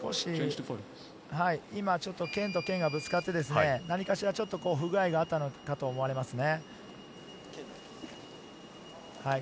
今ちょっと、剣と剣がぶつかって、何かしらちょっと不具合があったのかと思われますね。